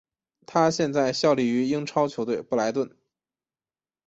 他现在效力于英超球队布莱顿。